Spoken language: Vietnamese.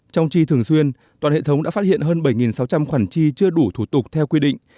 trong chi thường xuyên toàn hệ thống đã phát hiện hơn bảy sáu trăm linh khoản chi chưa đủ thủ tục theo quy định